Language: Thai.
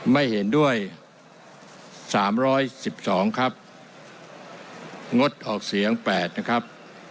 ไม่เห็นด้วยสามร้อยสิบสองครับงดออกเสียงแปดนะครับ